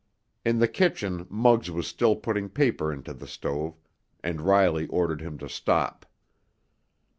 In the kitchen Muggs was still putting paper into the stove, and Riley ordered him to stop.